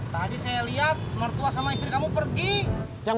tadi saya lihat mertua sama istri kamu pergi